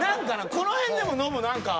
この辺でもノブ何か。